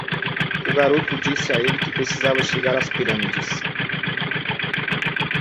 O garoto disse a ele que precisava chegar às pirâmides.